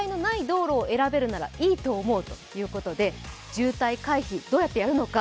渋滞回避、どうやってやるのか？